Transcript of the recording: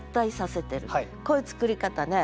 こういう作り方ね。